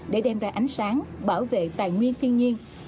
để đem ra ánh sáng bảo vệ tài nguyên thiên nhiên